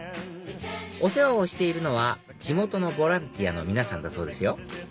お世話をしているのは地元のボランティアの皆さんだそうですよ